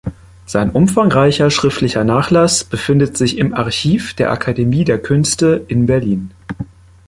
Sein umfangreicher schriftlicher Nachlass befindet sich im Archiv der Akademie der Künste in Berlin.